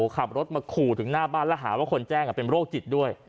ขับรถมาขู่ถึงหน้าบ้านแล้วหาว่าคนแจ้งเป็นโรคจิตด้วย